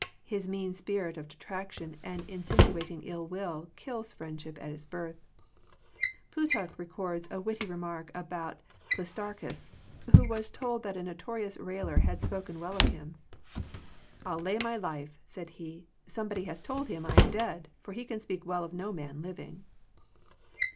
His mean spirit of detraction and insinuating ill will kills friendship at its birth. Plutarch records a witty remark about Plistarchus, who was told that a notorious railer had spoken well of him. ril lay my life," said he, "somebody has told him I am dead, for he can speak well of no man living."